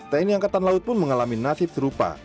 tni angkatan laut pun mengalami nasib serupa